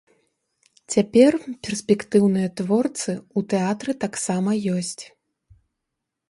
Цяпер перспектыўныя творцы ў тэатры таксама ёсць.